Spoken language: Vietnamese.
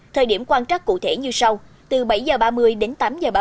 thời điểm quan trắc cụ thể như sau từ bảy h ba mươi đến tám h ba mươi